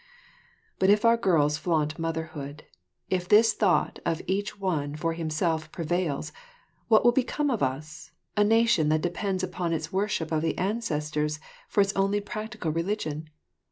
But if our girls flaunt motherhood, if this thought of each one for himself prevails, what will become of us, a nation that depends upon its worship of the ancestors for its only practical religion?